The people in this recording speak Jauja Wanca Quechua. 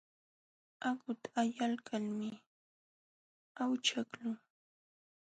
Akhuta allaykalmi awchaqlun.